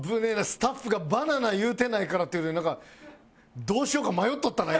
スタッフが「バナナ」言うてないからっていうのでなんかどうしようか迷っとったな